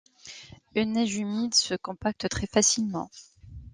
Une neige humide se compacte très facilement.